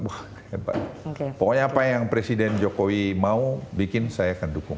pokoknya apa yang presiden jokowi mau bikin saya akan dukung